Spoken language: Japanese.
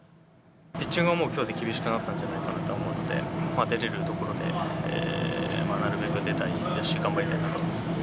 ピッチングはきょうでもう、厳しくなったんじゃないかと思うので、出れるところで、なるべく出たいですし、頑張りたいなと思ってます。